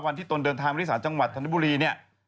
วันที่ตนเดินทางตั้งส่วนบริษัทจังหวัดธนบุรีเนี่ย